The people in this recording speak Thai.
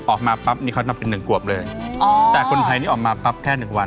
ออกมาปั๊บนี่เขานับเป็นหนึ่งกวบเลยอ๋อแต่คนไทยนี่ออกมาปั๊บแค่หนึ่งวัน